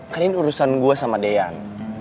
kan ini urusan gua sama deyan